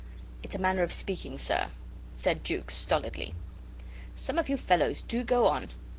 "It's a manner of speaking, sir," said Jukes, stolidly. "Some of you fellows do go on!